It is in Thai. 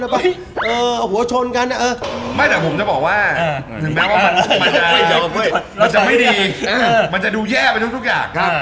แต่ผมจะบอกว่ามันจะไม่ดีมันจะดูแย่ไปทุกอย่าง